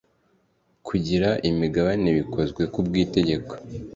Kugura imigabane bikozwe ku bw itegeko